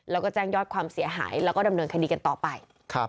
แล้วก็แจ้งยอดความเสียหายแล้วก็ดำเนินคดีกันต่อไป